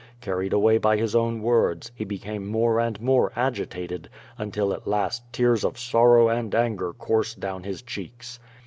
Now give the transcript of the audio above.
Carried away by his own words, he became more and more agitated, until at last tears of sorrow and anger coursed down his cheeks.